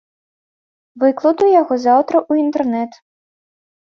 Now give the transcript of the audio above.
Выкладу яго заўтра ў інтэрнэт.